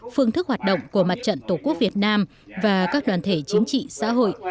phương thức hoạt động của mặt trận tổ quốc việt nam và các đoàn thể chính trị xã hội